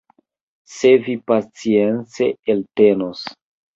Se vi pacience eltenos.